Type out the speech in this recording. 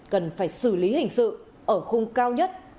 cần phải xử lý hình sự ở khung cao nhất